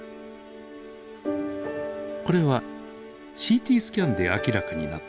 これはＣＴスキャンで明らかになった骨格です。